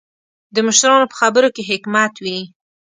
د مشرانو په خبرو کې حکمت وي.